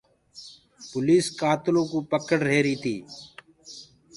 پوليس ڪآتلو ڪوُ پَڪڙ رهيري تي۔